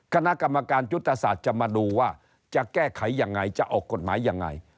คณะกรรมการยุทธศาสตร์จะมาดูว่าจะแก้ไขยังไงจะออกกฎหมายยังไง